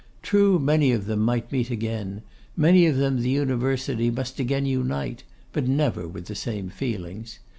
True, many of them might meet again; many of them the University must again unite, but never with the same feelings.